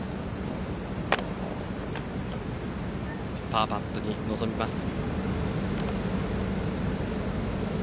パーパットに臨みます。